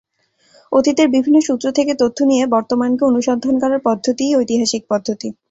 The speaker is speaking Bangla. অতীতের বিভিন্ন সূত্র থেকে তথ্য নিয়ে বর্তমানকে অনুসন্ধান করার পদ্ধতিই ঐতিহাসিক পদ্ধতি।